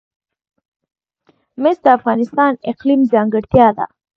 مس د افغانستان د اقلیم ځانګړتیا ده.